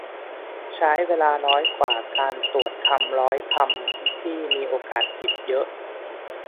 ใช้เวลาน้อยกว่าการตรวจคำร้อยคำที่มีโอกาสผิดเยอะ